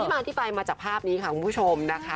มาที่ไปมาจากภาพนี้ค่ะคุณผู้ชมนะคะ